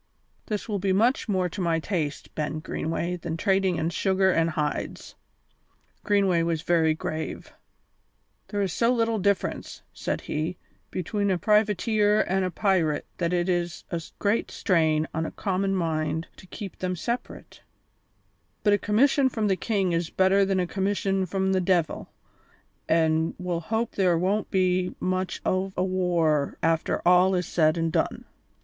This will be much more to my taste, Ben Greenway, than trading in sugar and hides." Greenway was very grave. "There is so little difference," said he, "between a privateer an' a pirate that it is a great strain on a common mind to keep them separate; but a commission from the king is better than a commission from the de'il, an' we'll hope there won't be much o' a war after all is said an' done."